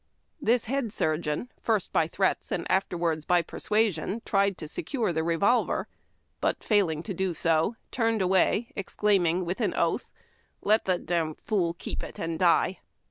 This head surgeon, first by threats and afterwards by persuasion, tried to secure the revolver, but, failing to do so, turned away, ex claiming, with an oath, " Let the d fool keep it and die